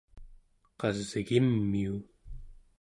qasgimiu